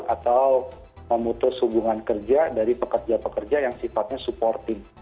atau memutus hubungan kerja dari pekerja pekerja yang sifatnya supporting